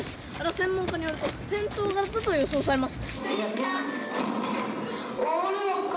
専門家によると戦闘型と予想されます。